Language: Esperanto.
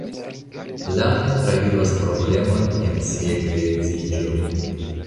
Lane travivas problemojn en sia geedziĝo.